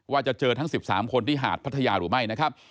ว่าจะเจอทั้ง๑๓คนที่หาดพัทยาหรือไม่นะครับ